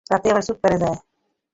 রাতে আবার চুপ করে যায়।